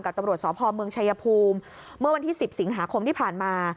ตำรวจสพเมืองชายภูมิเมื่อวันที่๑๐สิงหาคมที่ผ่านมา